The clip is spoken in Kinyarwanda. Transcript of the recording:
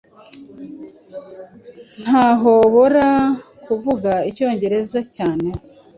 Ntahobora kuvuga icyongereza cyane